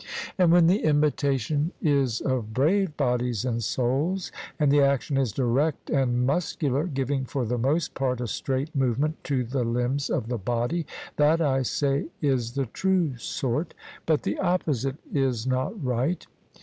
And when the imitation is of brave bodies and souls, and the action is direct and muscular, giving for the most part a straight movement to the limbs of the body that, I say, is the true sort; but the opposite is not right.